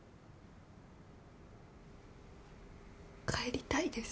帰りたいです。